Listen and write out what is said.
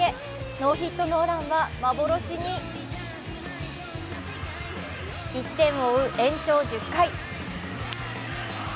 ノーヒットノーランは幻に１点を追う延長１０回。